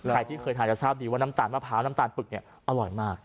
ใครที่เคยทานจะทราบดีว่าน้ำตาลมะพร้าวน้ำตาลปึกเนี่ยอร่อยมาก